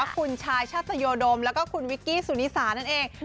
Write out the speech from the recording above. คุณชายชาตยโดมแล้วก็คุณวิกกี้สุนิสานั่นเอง